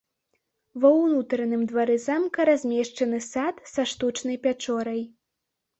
Ва ўнутраным двары замка размешчаны сад са штучнай пячорай.